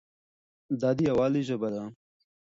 دا د یووالي ژبه ده.